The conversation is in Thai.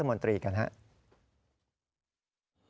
นายยกรัฐมนตรีพบกับทัพนักกีฬาที่กลับมาจากโอลิมปิก๒๐๑๖